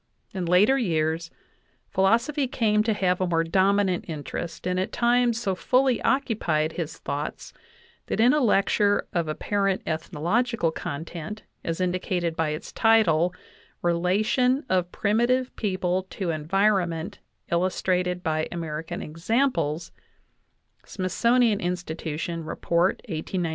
In later years philosophy came to have a more dominant interest, and at times so fully occupied his thoughts that in a lecture of apparent ethnological content, as indicated by its title, "Relation of primitive people to environ ment, illustrated by American examples" (Smithsonian Insti tution, Report 1895, pp.